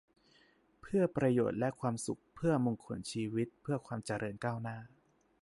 เพื่อประโยชน์และความสุข เพื่อมงคลชีวิต เพื่อความเจริญก้าวหน้า